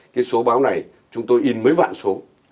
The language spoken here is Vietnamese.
cái số báo này chúng tôi in mấy vạn số